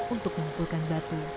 untuk mengumpulkan batu